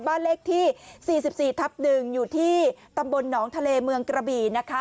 บ้านเลขที่๔๔ทับ๑อยู่ที่ตำบลหนองทะเลเมืองกระบี่นะคะ